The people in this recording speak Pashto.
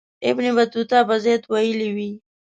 ابن بطوطه به زیات ویلي وي.